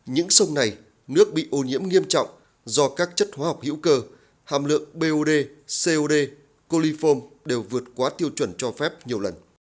những sông này nước bị ô nhiễm nghiêm trọng do các chất hóa học hữu cơ hàm lượng bot coliform đều vượt quá tiêu chuẩn cho phép nhiều lần